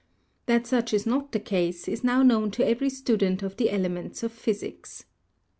That such is not the case is now known to every student of the elements of physics.